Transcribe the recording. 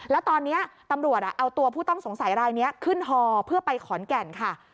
แล้วตอนนี้ตำรวจเอาตัวผู้ต้องสงสัยรายนี้ขึ้นฮอเพื่อไปขอนแก่นค่ะ